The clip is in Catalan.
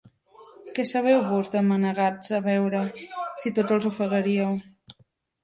Què sabeu vós de menar gats a beure, si tots els ofegaríeu?